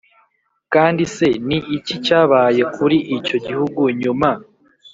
kandi se ni iki cyabaye kuri icyo gihugu nyuma